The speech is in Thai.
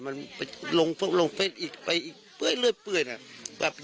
มันไปลงเพศอีกไปไปอีกบื๊ดบี๊ด